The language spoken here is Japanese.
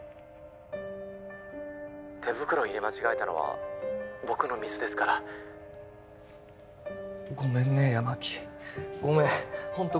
☎手袋入れ間違えたのは僕のミスですからごめんね八巻ごめんホント